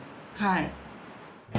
はい。